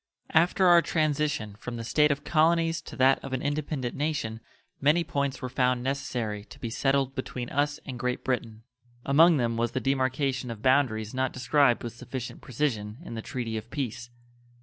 After our transition from the state of colonies to that of an independent nation many points were found necessary to be settled between us and Great Britain. Among them was the demarcation of boundaries not described with sufficient precision in the treaty of peace.